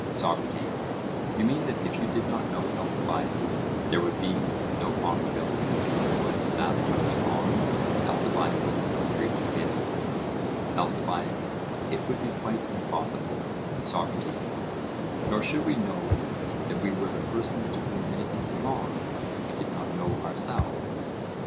SOCRATES: You mean, that if you did not know Alcibiades, there would be no possibility of your knowing that what belonged to Alcibiades was really his? ALCIBIADES: It would be quite impossible. SOCRATES: Nor should we know that we were the persons to whom anything belonged, if we did not know ourselves?